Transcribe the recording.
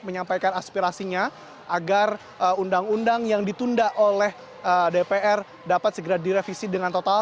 menyampaikan aspirasinya agar undang undang yang ditunda oleh dpr dapat segera direvisi dengan total